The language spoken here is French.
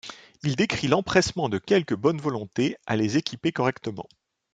Il décrit l'empressement de quelques bonnes volontés à les équiper correctement.